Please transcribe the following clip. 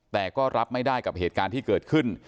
แต่ก็รับไม่ได้กับเหตุการณ์ที่เกิดขึ้น